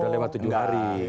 udah lewat tujuh hari